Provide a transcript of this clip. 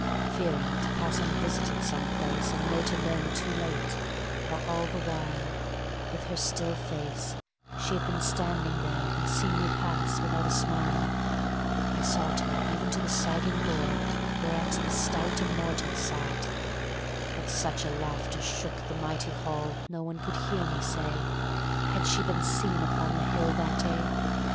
Fearing to pass unvisited some place And later learn, too late, how all the while, With her still face, She had been standing there and seen me pass, without a smile, I sought her even to the sagging board whereat The stout immortals sat; But such a laughter shook the mighty hall No one could hear me say: Had she been seen upon the Hill that day?